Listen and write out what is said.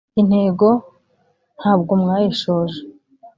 intego ntabwo mwayishoje